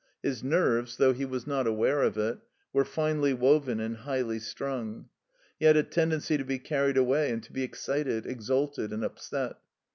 His nerves, though he was not aware of it, were finely woven and highly strung. He had a tendency to be carried away and to be excited, exalted, and upset.